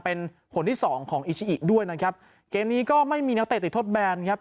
เป็นคนที่สองของอิชิอิด้วยนะครับเกมนี้ก็ไม่มีนักเตะติดทดแบนครับ